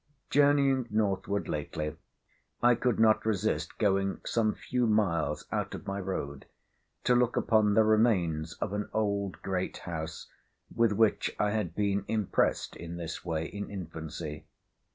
Journeying northward lately, I could not resist going some few miles out of my road to look upon the remains of an old great house with which I had been impressed in this way in infancy.